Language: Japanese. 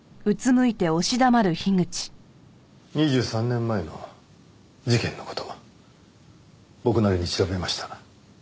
２３年前の事件の事僕なりに調べました。